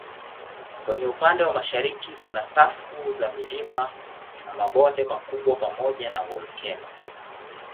Kwenye upande wa mashariki kuna safu za milima na mabonde makubwa pamoja na volkeno.